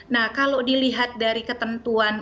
nah kalau dilihat dari ketentuan